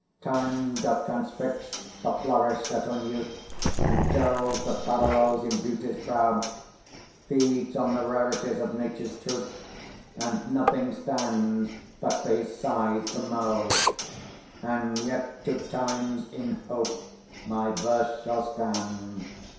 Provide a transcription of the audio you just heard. Time doth transfix the flourish set on youth And delves the parallels in beauty's brow, Feeds on the rarities of nature's truth, And nothing stands but for his scythe to mow: And yet to times in hope, my verse shall stand.